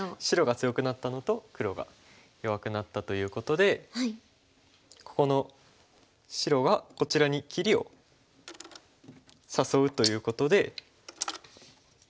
白が強くなったのと黒が弱くなったということでこの白がこちらに切りを誘うということで。